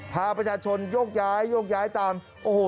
พาประชาชนยกย้ายตามโอ้โห